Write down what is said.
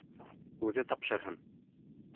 Үҙе тапшырһын!..